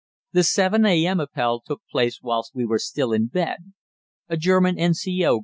The 7 a.m. Appell took place whilst we were still in bed. A German N.C.O.